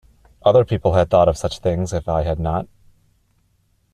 Other people had thought of such things, if I had not.